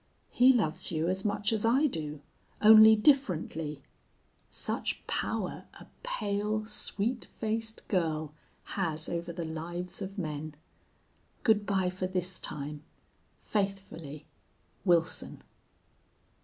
He loves you as much as I do, only differently. Such power a pale, sweet faced girl has over the lives of men! "Good by for this time. "Faithfully, "WILSON."